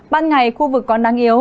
ban ngày khu vực còn đáng yếu